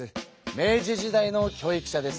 明治時代の教育者です。